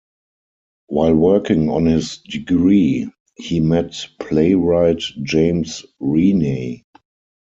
While working on his degree, he met playwright James Reaney.